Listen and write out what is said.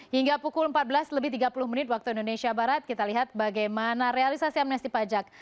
hingga pukul empat belas lebih tiga puluh menit waktu indonesia barat kita lihat bagaimana realisasi amnesti pajak